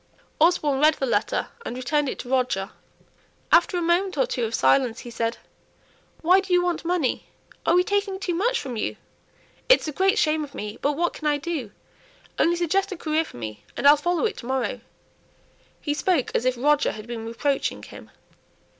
Osborne read the letter and returned it to Roger. After a moment or two of silence he said, "Why do you want money? Are we taking too much from you? It's a great shame of me; but what can I do? Only suggest a career for me, and I'll follow it to morrow." He spoke as if Roger had been reproaching him.